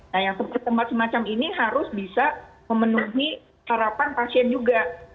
nah yang tempat tempat semacam ini harus bisa memenuhi harapan pasien juga